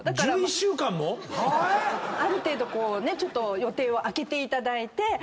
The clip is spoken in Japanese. １１週間も⁉ある程度ちょっと予定を空けていただいて。